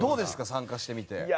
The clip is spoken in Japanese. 参加してみて。